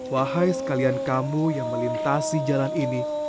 wahai sekalian kamu yang melintasi jalan ini